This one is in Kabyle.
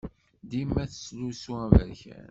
Dima tettlusu aberkan.